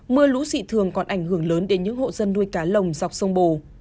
mưa lũ dị thường còn ảnh hưởng lớn đến những hộ dân nuôi cá lồng dọc sông bồ